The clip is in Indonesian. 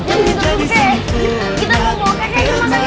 oke jangan menjauh dulu ya